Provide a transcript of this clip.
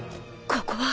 ここは。